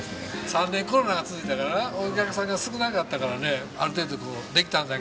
３年コロナが続いたからお客さんが少なかったからねある程度できたんだけども。